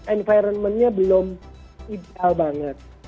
environmentnya belum ideal banget